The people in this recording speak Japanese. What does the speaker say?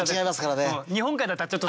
「日本海」だったらちょっと強いし。